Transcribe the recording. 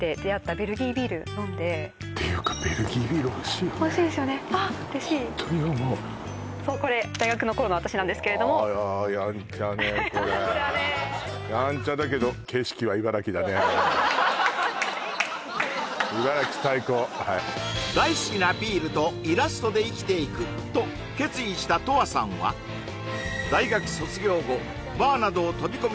ベルギービール飲んでっていうかベルギービールおいしいよねおいしいですよねあっ嬉しいホントに思うそうこれ大学の頃の私なんですけれどもヤンチャねこれヤンチャだけど景色は茨城だね茨城最高はい大好きなビールとイラストで生きていくと決意したＴＯＡさんは大学卒業後バーなどを飛び込みで巡り